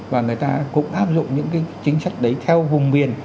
và người ta cũng áp dụng những cái chính sách đấy theo vùng miền